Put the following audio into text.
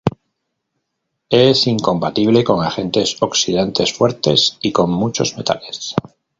Es incompatible con agentes oxidantes fuertes y con muchos metales.